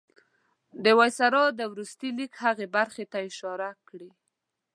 د وایسرا د وروستي لیک هغې برخې ته اشاره کړې.